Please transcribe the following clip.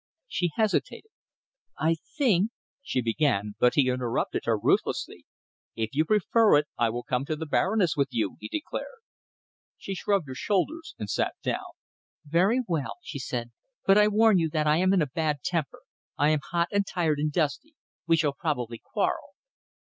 She hesitated. "I think " she began, but he interrupted her ruthlessly. "If you prefer it, I will come to the Baroness with you," he declared. She shrugged her shoulders and sat down. "Very well," she said, "but I warn you that I am in a bad temper. I am hot and tired and dusty. We shall probably quarrel."